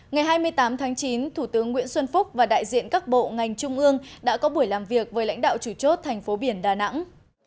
ngày hai mươi tám tháng chín thủ tướng nguyễn xuân phúc và đại diện các bộ ngành trung ương đã có buổi làm việc với lãnh đạo chủ chốt thành phố biển đà nẵng